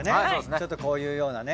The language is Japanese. ちょっとこういうようなね